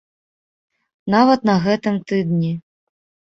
Нават на гэтым тыдні.